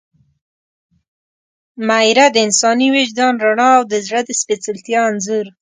میره – د انساني وجدان رڼا او د زړه د سپېڅلتیا انځور